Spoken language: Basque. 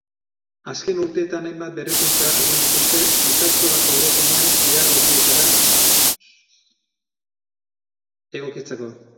Azken urteetan hainbat berrikuntza egin dituzte ikastolako eraikinean behar horietara egokitzeko.